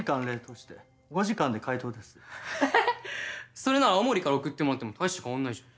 それなら青森から送ってもらっても大して変わらないじゃん。